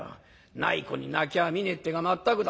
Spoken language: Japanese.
ない子に泣きはみねえっていうが全くだ